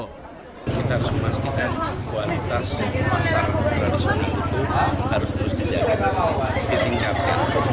kita harus memastikan kualitas pasar tradisional itu harus terus dijaga dan ditingkatkan